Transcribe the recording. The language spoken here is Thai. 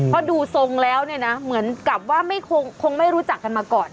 พอดูทรงแล้วเนี่ยนะเหมือนกับว่าคงไม่รู้จักกันมาก่อน